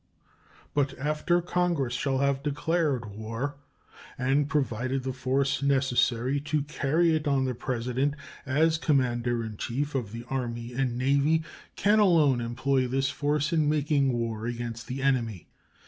But after Congress shall have declared war and provided the force necessary to carry it on the President, as Commander in Chief of the Army and Navy, can alone employ this force in making war against the enemy.